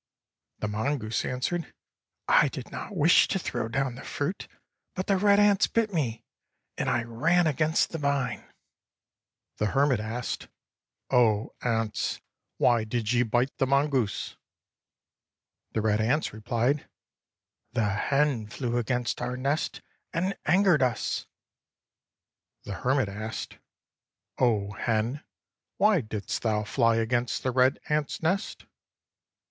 The mongoose answered: "I did not wish to throw down the fruit, but the red ants bit me, and I ran against the vine." 67 INDIA The hermit asked, " 0 ants, why did ye bite the mon goose?" The red ants repHed: "The hen flew against our nest and angered us," The hermit asked: " O hen, why didst thou fly against the red ants' nest?"